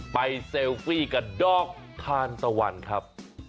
เซลฟี่กับดอกทานตะวันครับ